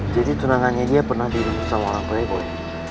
jadi tunangannya dia pernah dihitung sama orang playboy